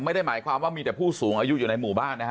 ไม่ได้หมายความว่ามีแต่ผู้สูงอายุอยู่ในหมู่บ้านนะฮะ